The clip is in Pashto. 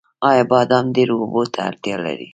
آیا بادام ډیرو اوبو ته اړتیا لري؟